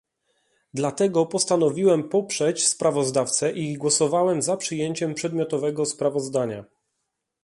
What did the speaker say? Dlatego postanowiłem poprzeć sprawozdawcę i głosowałem za przyjęciem przedmiotowego sprawozdania